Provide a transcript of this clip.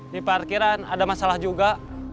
di parkiran ada masalah juga